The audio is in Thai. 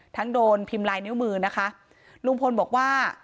โดนพิมพ์ลายนิ้วมือนะคะลุงพลบอกว่า